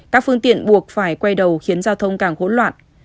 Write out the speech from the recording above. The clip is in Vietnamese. các phương tiện buộc phải quay đầu khiến giao thông càng hỗn loạn